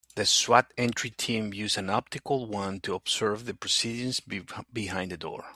The S.W.A.T. entry team used an optical wand to observe the proceedings behind the door.